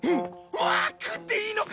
わあ食っていいのか？